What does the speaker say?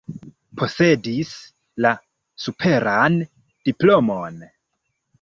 Posedis la superan diplomon.